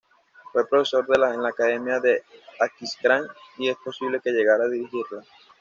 Fue profesor en la academia de Aquisgrán y es posible que llegara a dirigirla.